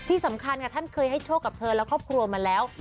ที่สำคัญค่ะท่านเคยให้โชคกับเธอและครอบครัวมาแล้ว